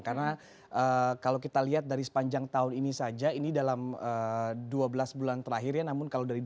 karena kalau kita lihat dari sepanjang tahun ini saja ini dalam dua belas bulan terakhir ya namun kalau dari dua ribu delapan belas